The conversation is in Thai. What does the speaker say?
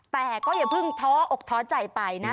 แต่ก็อย่าเพิ่งท้ออกท้อใจไปนะ